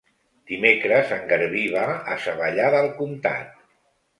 Dimecres en Garbí va a Savallà del Comtat.